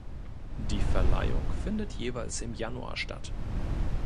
Die Verleihung findet jeweils im Januar statt.